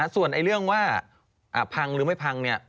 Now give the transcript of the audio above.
ส่วนเรื่องว่าพังหรือไม่พัง